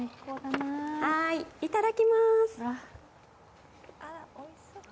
いただきます。